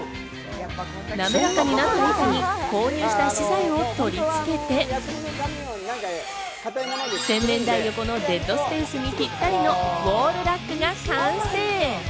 滑らかになった後に購入した資材を取り付けて、洗面台横のデッドスペースにぴったりのウオールラックが完成。